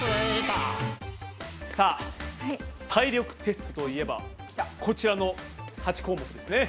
さあ体力テストといえばこちらの８項目ですね。